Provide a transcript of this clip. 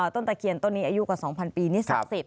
ตะเคียนต้นนี้อายุกว่า๒๐๐ปีนี่ศักดิ์สิทธิ